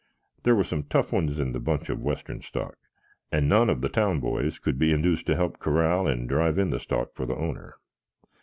There were some "tough ones" in the bunch of western stock, and none of the town boys could be induced to help corral and drive in the stock for the owner.